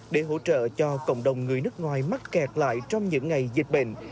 để hỗ trợ cho cộng đồng người nước ngoài mắc kẹt lại trong những ngày dịch bệnh